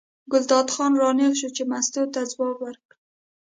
ګلداد خان را نېغ شو چې مستو ته ځواب ورکړي.